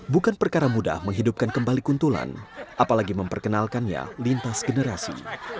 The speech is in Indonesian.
bukan perkara mudah menghidupkan kembali kuntulan apalagi memperkenalkannya lintas generasi